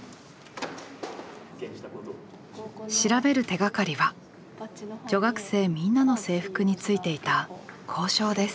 調べる手がかりは女学生みんなの制服についていた校章です。